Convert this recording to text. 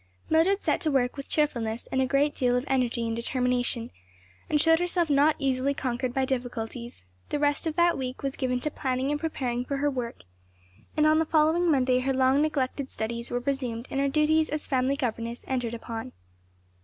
Mildred set to work with cheerfulness and a great deal of energy and determination, and showed herself not easily conquered by difficulties; the rest of that week was given to planning and preparing for her work, and on the following Monday her long neglected studies were resumed and her duties as family governess entered upon.